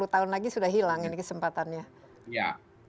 sepuluh dua puluh tahun lagi sudah hilang kesempatannya